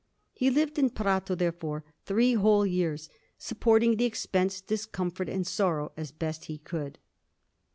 He lived in Prato, therefore, three whole years, supporting the expense, discomfort, and sorrow as best he could.